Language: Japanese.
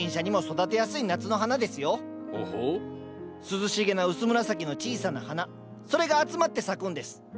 涼しげな薄紫の小さな花それが集まって咲くんです。